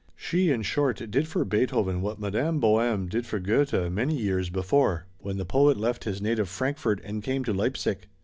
She, in short, did for Beethoven what Madame Boehme did for Goethe many years before, when the poet left his native Frankfort and came to Leipsic.